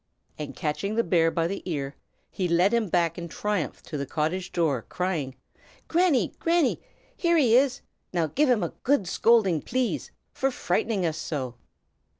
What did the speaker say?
And catching the bear by the ear, he led him back in triumph to the cottage door, crying, "Granny, Granny! here he is! Now give him a good scolding, please, for frightening us so."